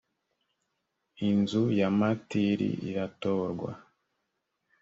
inzu ya matiri iratorwa